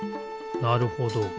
なるほど。